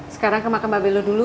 sekarang ke makam babel lo dulu